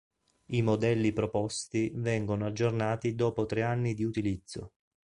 I modelli proposti vengono aggiornati dopo tre anni di utilizzo.